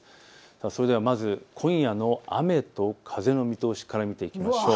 それでは、まず今夜の雨と風の見通しから見ていきましょう。